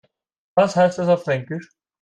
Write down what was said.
Was heißt das auf Fränkisch?